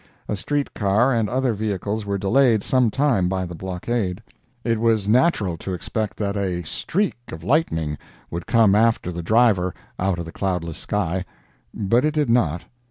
A street car and other vehicles were delayed some time by the blockade. It was natural to expect that a "streak" of lightning would come after the driver out of the cloudless sky, but it did not.